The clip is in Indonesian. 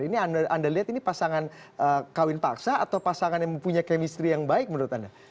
ini anda lihat ini pasangan kawin paksa atau pasangan yang punya kemistri yang baik menurut anda